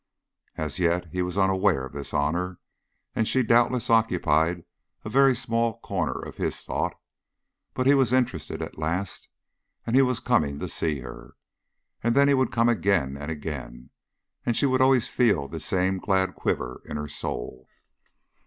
As yet he was unaware of this honour, and she doubtless occupied a very small corner of his thought; but he was interested at last, and he was coming to see her. And then he would come again and again, and she would always feel this same glad quiver in her soul.